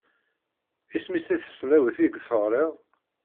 Isem-is i tesnawit ideg teɣriḍ?